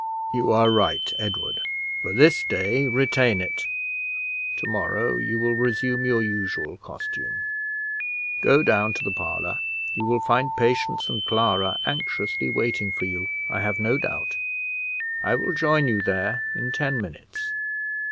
"You are right, Edward: for this day retain it; to morrow you will resume your usual costume. Go down to the parlor; you will find Patience and Clara anxiously waiting for you, I have no doubt. I will join you there in ten minutes."